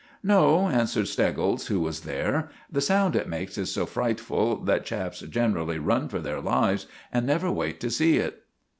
"No," answered Steggles, who was there. "The sound it makes is so frightful that chaps generally run for their lives, and never wait to see it."